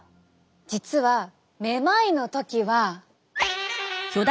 実はめまいの時は。